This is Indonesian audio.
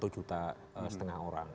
satu juta setengah orang